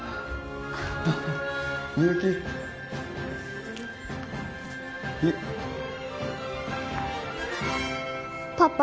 みゆきパパ